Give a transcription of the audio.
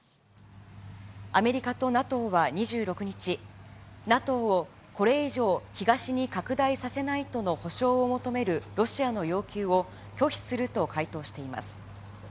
アメリカとＮＡＴＯは２６日、ＮＡＴＯをこれ以上、東に拡大させないとの保証を求めるロシアの要求を拒否すると回答しています。